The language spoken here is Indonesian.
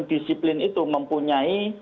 disiplin itu mempunyai